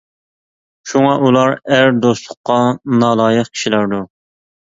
شۇڭا ئۇلار ئەر دوستلۇققا نالايىق كىشىلەردۇر.